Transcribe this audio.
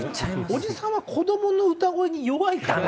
おじさんは子どもの歌声に弱いから。